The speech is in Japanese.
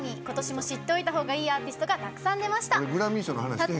ことしも知っておいたほうがいいアーティストがたくさん出ました。